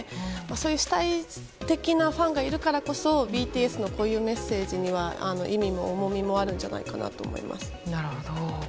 そういう主体的なファンがいるからこそＢＴＳのこういうメッセージには意味や重みがあるんじゃないかと思います。